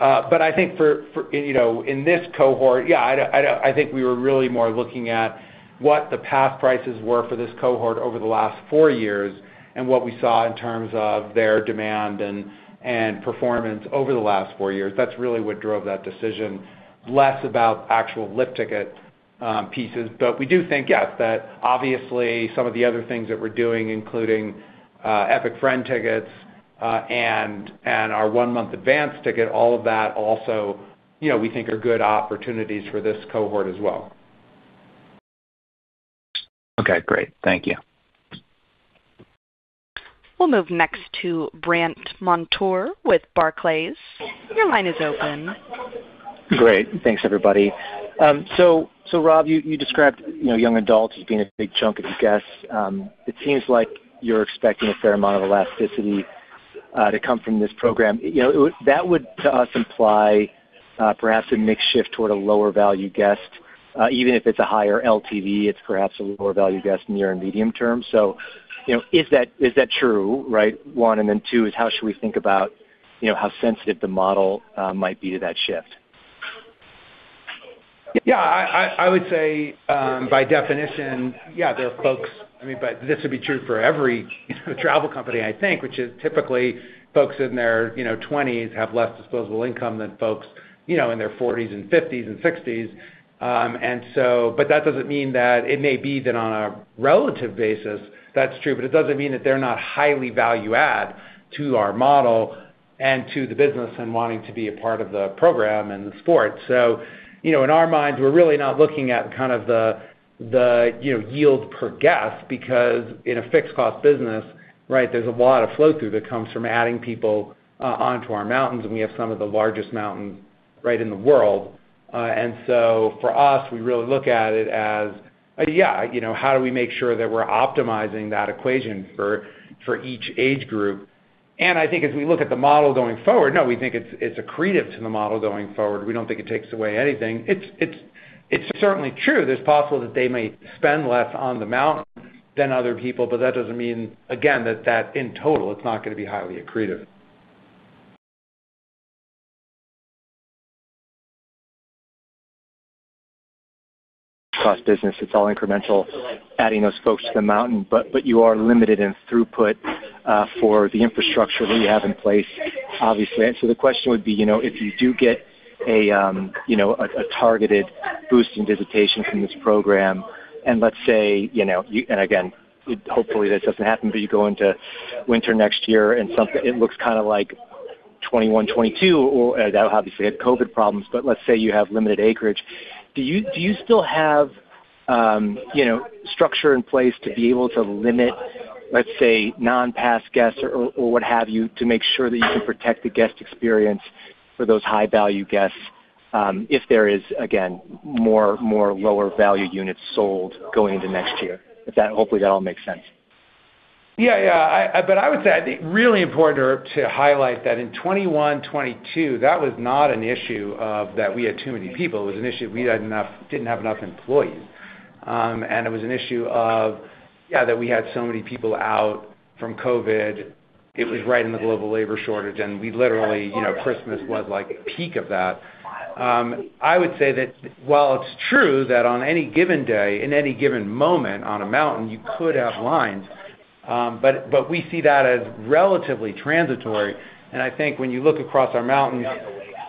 Speaker 3: I think for, you know, in this cohort, yeah, I don't think we were really more looking at what the pass prices were for this cohort over the last four years and what we saw in terms of their demand and performance over the last four years. That's really what drove that decision, less about actual lift ticket pieces. We do think, yes, that obviously some of the other things that we're doing, including Epic Friend Tickets, and our one-month advance ticket, all of that also, you know, we think are good opportunities for this cohort as well.
Speaker 12: Okay. Great. Thank you.
Speaker 1: We'll move next to Brandt Montour with Barclays. Your line is open.
Speaker 13: Great. Thanks, everybody. Rob, you described, you know, young adults as being a big chunk of the guests. It seems like you're expecting a fair amount of elasticity to come from this program. You know, that would, to us, imply perhaps a mix shift toward a lower value guest. Even if it's a higher LTV, it's perhaps a lower value guest near and medium term. You know, is that true, right? One. Then two is how should we think about, you know, how sensitive the model might be to that shift?
Speaker 3: Yeah. I would say, by definition, yeah, there are folks, I mean, but this would be true for every travel company, I think, which is typically folks in their, you know, twenties have less disposable income than folks, you know, in their forties and fifties and sixties. But that doesn't mean that it may be that on a relative basis that's true, but it doesn't mean that they're not highly value add to our model and to the business and wanting to be a part of the program and the sport. You know, in our minds, we're really not looking at kind of the, you know, yield per guest because in a fixed cost business, right, there's a lot of flow through that comes from adding people onto our mountains, and we have some of the largest mountains, right, in the world. For us, we really look at it as, you know, how do we make sure that we're optimizing that equation for each age group? I think as we look at the model going forward, no, we think it's accretive to the model going forward. We don't think it takes away anything. It's certainly true that it's possible that they may spend less on the mountain than other people, that doesn't mean, again, that in total it's not gonna be highly accretive.
Speaker 13: Business, it's all incremental, adding those folks to the mountain. You are limited in throughput for the infrastructure that you have in place, obviously. The question would be, you know, if you do get a, you know, a targeted boost in visitation from this program, let's say, again, hopefully this doesn't happen, but you go into winter next year and it looks kind of like 2021, 2022 or that obviously had COVID problems, but let's say you have limited acreage. Do you still have, you know, structure in place to be able to limit, let's say, non-pass guests or what have you, to make sure that you can protect the guest experience for those high value guests, if there is, again, more lower value units sold going into next year? Hopefully that all makes sense.
Speaker 3: I would say, I think really important to highlight that in 2021, 2022, that was not an issue of that we had too many people. It was an issue we didn't have enough employees. It was an issue of, yeah, that we had so many people out from COVID. It was right in the global labor shortage, and we literally, you know, Christmas was like peak of that. I would say that while it's true that on any given day, in any given moment on a mountain, you could have lines, but we see that as relatively transitory. I think when you look across our mountains,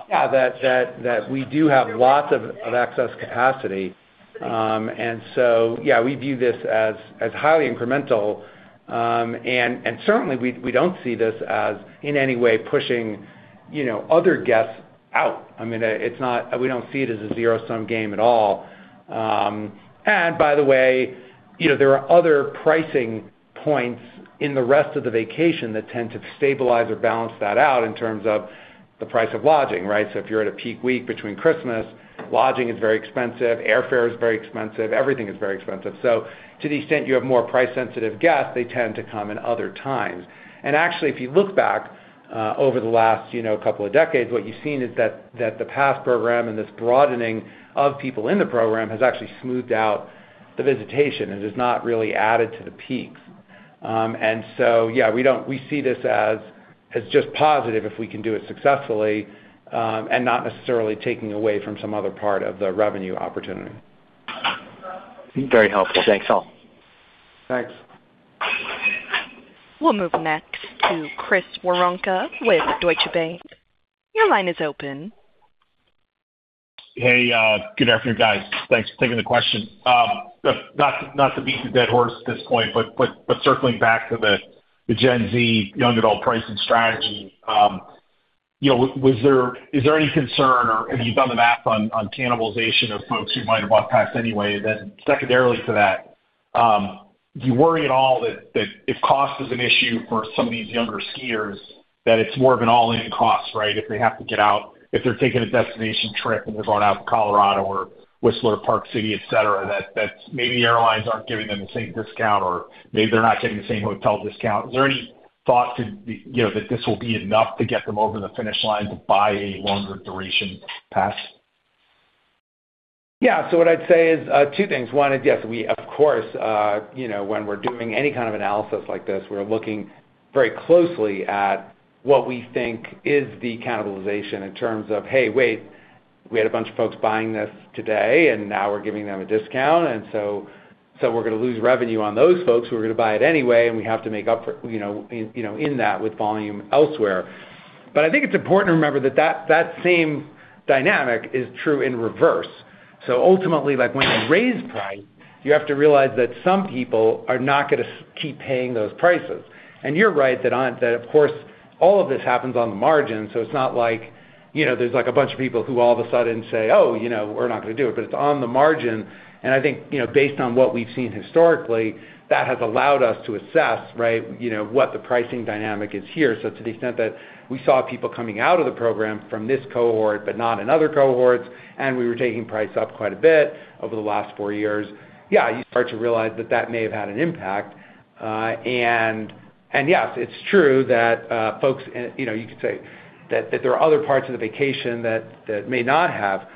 Speaker 3: yeah, that we do have lots of excess capacity. Yeah, we view this as highly incremental. Certainly we don't see this as in any way pushing, you know, other guests out. I mean, we don't see it as a zero-sum game at all. By the way, you know, there are other pricing points in the rest of the vacation that tend to stabilize or balance that out in terms of the price of lodging, right? If you're at a peak week between Christmas, lodging is very expensive, airfare is very expensive, everything is very expensive. To the extent you have more price sensitive guests, they tend to come in other times. Actually, if you look back over the last, you know, couple of decades, what you've seen is that the pass program and this broadening of people in the program has actually smoothed out the visitation. It has not really added to the peaks. Yeah, We see this as just positive if we can do it successfully, and not necessarily taking away from some other part of the revenue opportunity.
Speaker 13: Very helpful. Thanks, all.
Speaker 3: Thanks.
Speaker 1: We'll move next to Chris Woronka with Deutsche Bank. Your line is open.
Speaker 14: Hey, good afternoon, guys. Thanks for taking the question. Not to beat the dead horse at this point, but circling back to the Gen Z young adult pricing strategy, you know, is there any concern or have you done the math on cannibalization of folks who might have bought pass anyway? Secondarily to that, do you worry at all that if cost is an issue for some of these younger skiers, that it's more of an all-in cost, right? If they have to get out, if they're taking a destination trip and they're going out to Colorado or Whistler, Park City, et cetera, that's maybe the airlines aren't giving them the same discount or maybe they're not getting the same hotel discount. Is there any thought you know, that this will be enough to get them over the finish line to buy a longer duration pass?
Speaker 3: Yeah. What I'd say is, two things. One is, yes, we of course, you know, when we're doing any kind of analysis like this, we're looking very closely at what we think is the cannibalization in terms of, hey, wait, we had a bunch of folks buying this today, and now we're giving them a discount. We're gonna lose revenue on those folks who are gonna buy it anyway, and we have to make up for, you know, you know, in that with volume elsewhere. I think it's important to remember that same dynamic is true in reverse. Ultimately, like when you raise price, you have to realize that some people are not gonna keep paying those prices. You're right that that of course, all of this happens on the margin, so it's not like, you know, there's like a bunch of people who all of a sudden say, "Oh, you know, we're not gonna do it," but it's on the margin. I think, you know, based on what we've seen historically, that has allowed us to assess, right, you know, what the pricing dynamic is here. To the extent that we saw people coming out of the program from this cohort, but not in other cohorts, and we were taking price up quite a bit over the last four years. Yeah, you start to realize that that may have had an impact. Yes, it's true that, folks, you know, you could say that there are other parts of the vacation that may not have,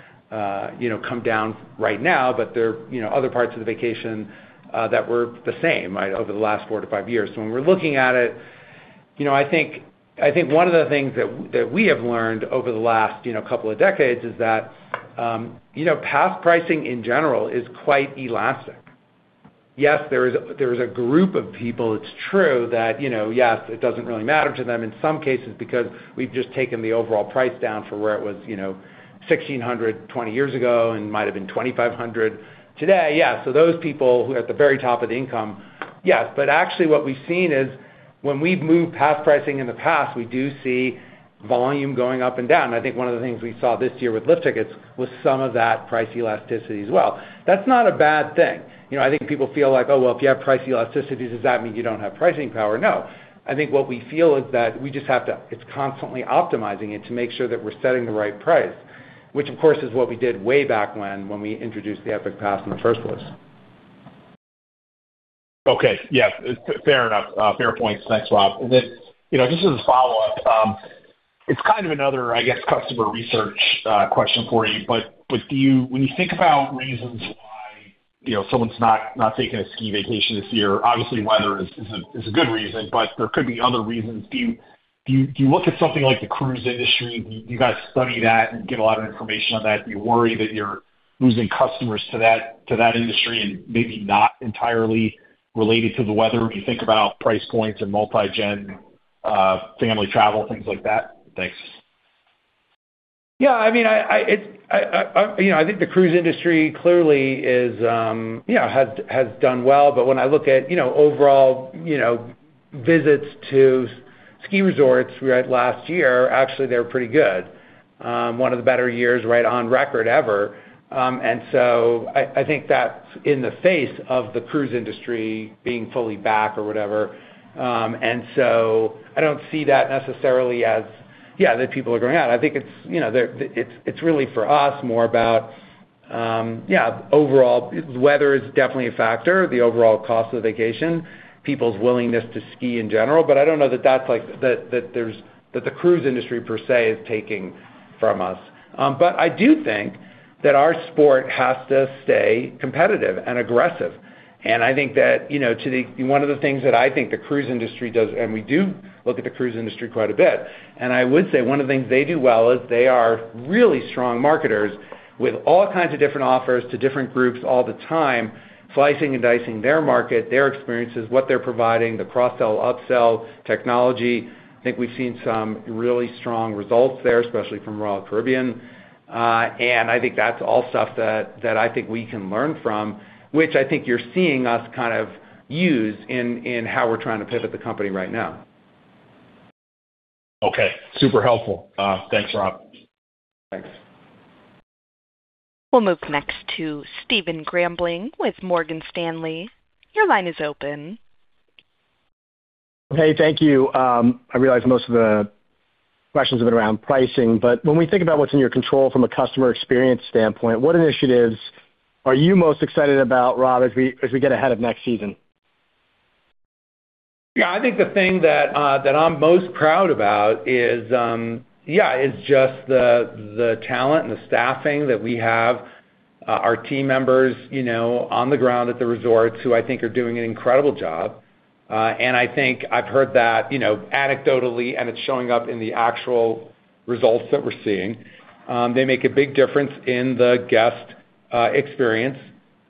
Speaker 3: you know, come down right now, but there, you know, other parts of the vacation that were the same, right, over the last four to five years. When we're looking at it, you know, I think one of the things that we have learned over the last, you know, couple of decades is that, you know, pass pricing in general is quite elastic. Yes, there is a group of people, it's true that, you know, yes, it doesn't really matter to them in some cases because we've just taken the overall price down from where it was, you know, $1,600 20 years ago and might have been $2,500 today. Those people who are at the very top of the income, yes. Actually what we've seen is when we've moved pass pricing in the past, we do see volume going up and down. I think one of the things we saw this year with lift tickets was some of that price elasticity as well. That's not a bad thing. You know, I think people feel like, oh, well, if you have price elasticity, does that mean you don't have pricing power? No. I think what we feel is that we just have to it's constantly optimizing it to make sure that we're setting the right price, which of course is what we did way back when we introduced the Epic Pass in the first place.
Speaker 14: Okay. Yes. Fair enough. Fair points. Thanks, Rob. You know, just as a follow-up, it's kind of another, I guess, customer research question for you, but do you when you think about reasons why, you know, someone's not taking a ski vacation this year, obviously weather is a good reason, but there could be other reasons. Do you look at something like the cruise industry? Do you guys study that and get a lot of information on that? Do you worry that you're losing customers to that industry and maybe not entirely related to the weather? Do you think about price points and multi-gen family travel, things like that? Thanks.
Speaker 3: Yeah, I mean, I, you know, I think the cruise industry clearly is, you know, has done well. When I look at, you know, overall, you know, visits to ski resorts we had last year, actually they were pretty good. One of the better years right on record ever. I think that's in the face of the cruise industry being fully back or whatever. I don't see that necessarily as, yeah, that people are going out. I think it's, you know, it's really for us more about, yeah, overall weather is definitely a factor, the overall cost of vacation, people's willingness to ski in general. I don't know that that's like that the cruise industry per se is taking from us. I do think that our sport has to stay competitive and aggressive. I think that, you know, one of the things that I think the cruise industry does, and we do look at the cruise industry quite a bit, and I would say one of the things they do well is they are really strong marketers with all kinds of different offers to different groups all the time, slicing and dicing their market, their experiences, what they're providing, the cross-sell, upsell technology. I think we've seen some really strong results there, especially from Royal Caribbean. I think that's all stuff that I think we can learn from, which I think you're seeing us kind of use in how we're trying to pivot the company right now.
Speaker 14: Okay, super helpful. Thanks, Rob. Thanks.
Speaker 1: We'll move next to Stephen Grambling with Morgan Stanley. Your line is open.
Speaker 15: Hey, thank you. I realize most of the questions have been around pricing, but when we think about what's in your control from a customer experience standpoint, what initiatives are you most excited about, Rob, as we get ahead of next season?
Speaker 3: Yeah. I think the thing that I'm most proud about is, yeah, is just the talent and the staffing that we have, our team members, you know, on the ground at the resorts who I think are doing an incredible job. I think I've heard that, you know, anecdotally, and it's showing up in the actual results that we're seeing. They make a big difference in the guest experience.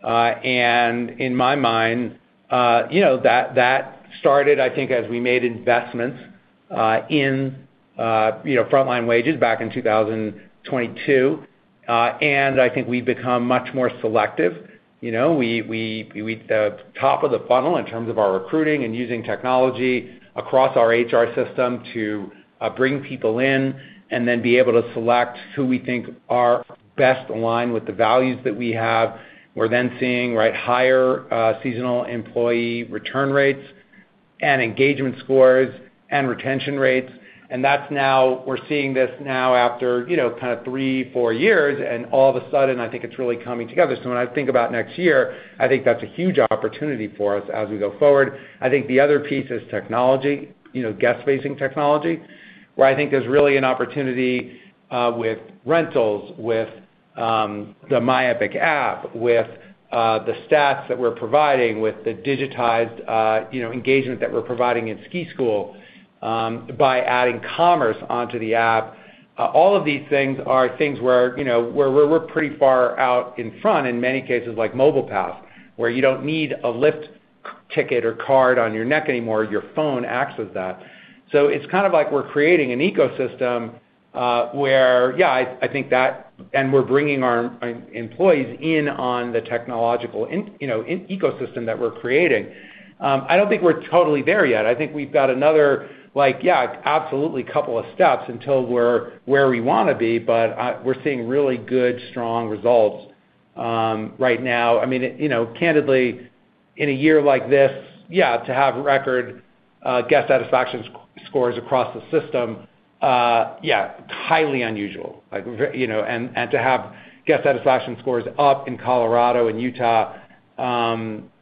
Speaker 3: In my mind, you know, that started, I think, as we made investments, in, you know, frontline wages back in 2022. I think we've become much more selective. You know, we top of the funnel in terms of our recruiting and using technology across our HR system to bring people in and then be able to select who we think are best aligned with the values that we have. We're then seeing, right, higher seasonal employee return rates and engagement scores and retention rates. That's now, we're seeing this now after, you know, kind of three, four years. All of a sudden, I think it's really coming together. When I think about next year, I think that's a huge opportunity for us as we go forward. I think the other piece is technology, you know, guest-facing technology, where I think there's really an opportunity with rentals, with the My Epic app, with the stats that we're providing with the digitized, you know, engagement that we're providing in ski school, by adding commerce onto the app. All of these things are things where, you know, where we're pretty far out in front in many cases like Mobile Pass, where you don't need a lift ticket or card on your neck anymore. Your phone acts as that. It's kind of like we're creating an ecosystem where, yeah, we're bringing our employees in on the technological, you know, ecosystem that we're creating. I don't think we're totally there yet. I think we've got another like, yeah, absolutely couple of steps until we're where we wanna be, but we're seeing really good, strong results right now. I mean, you know, candidly, in a year like this, yeah, to have record guest satisfaction scores across the system, yeah, highly unusual. Like, you know, and to have guest satisfaction scores up in Colorado and Utah,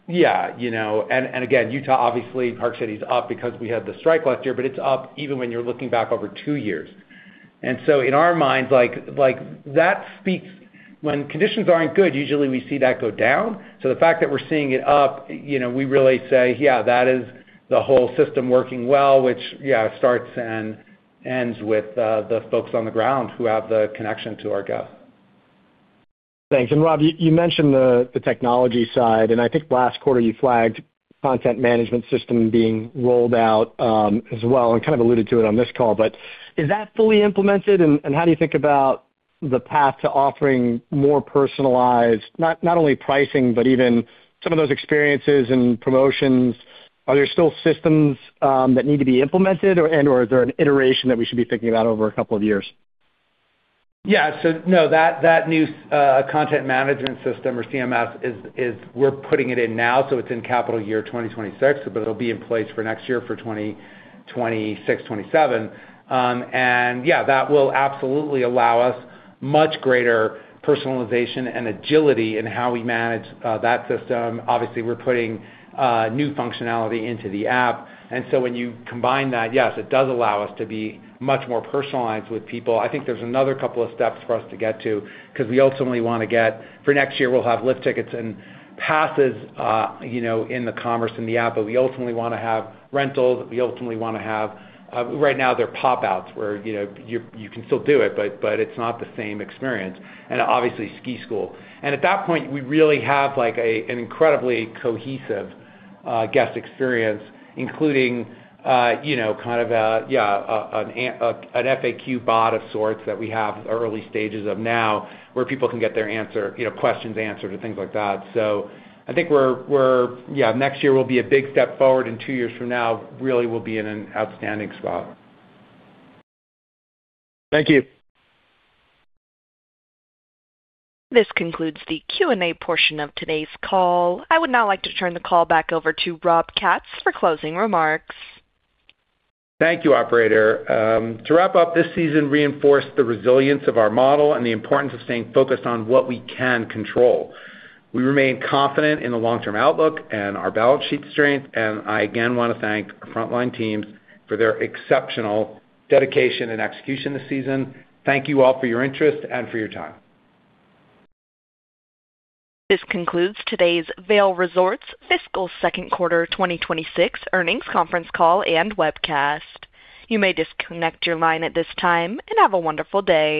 Speaker 3: yeah, you know. Again, Utah, obviously Park City's up because we had the strike last year, but it's up even when you're looking back over two years. In our minds, like, that speaks. When conditions aren't good, usually we see that go down. The fact that we're seeing it up, you know, we really say, yeah, that is the whole system working well, which, yeah, starts and ends with the folks on the ground who have the connection to our guests.
Speaker 15: Thanks. Rob, you mentioned the technology side, and I think last quarter you flagged content management system being rolled out as well and kind of alluded to it on this call. Is that fully implemented? How do you think about the path to offering more personalized, not only pricing, but even some of those experiences and promotions? Are there still systems that need to be implemented and/or is there an iteration that we should be thinking about over a couple of years?
Speaker 3: No, that new content management system or CMS is we're putting it in now, so it's in capital year 2026, but it'll be in place for next year for 2026, 2027. Yeah, that will absolutely allow us much greater personalization and agility in how we manage that system. Obviously, we're putting new functionality into the app. When you combine that, yes, it does allow us to be much more personalized with people. I think there's another couple of steps for us to get to, 'cause we ultimately wanna get. For next year, we'll have lift tickets and passes, you know, in the commerce in the app, but we ultimately wanna have rentals, we ultimately wanna have. Right now, they're pop-outs where, you know, you're, you can still do it, but it's not the same experience and obviously ski school. At that point, we really have like an incredibly cohesive guest experience, including, you know, kind of a, yeah, an FAQ bot of sorts that we have early stages of now where people can get their answer, you know, questions answered and things like that. I think we're. Yeah, next year will be a big step forward, and two years from now really will be in an outstanding spot.
Speaker 15: Thank you.
Speaker 1: This concludes the Q&A portion of today's call. I would now like to turn the call back over to Rob Katz for closing remarks.
Speaker 3: Thank you, operator. To wrap up, this season reinforced the resilience of our model and the importance of staying focused on what we can control. We remain confident in the long-term outlook and our balance sheet strength, and I again wanna thank frontline teams for their exceptional dedication and execution this season. Thank you all for your interest and for your time.
Speaker 1: This concludes today's Vail Resorts fiscal second quarter 2026 earnings conference call and webcast. You may disconnect your line at this time. Have a wonderful day.